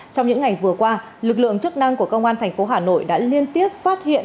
trong những ngày vừa qua lực lượng chức năng của công an thành phố hà nội đã liên tiếp phát hiện